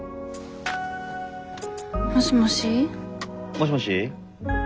もしもし。